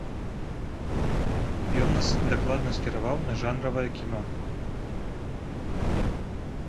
Ён нас дакладна скіраваў на жанравае кіно.